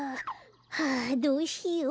はあどうしよう。